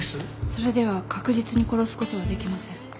それでは確実に殺すことはできません。